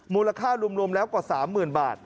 มูลค่ารวมแล้วกว่า๓๐๐๐บาท